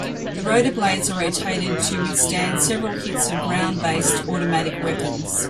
The rotor blades are rated to withstand several hits of ground-based automatic weapons.